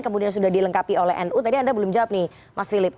kemudian sudah dilengkapi oleh nu tadi anda belum jawab nih mas philip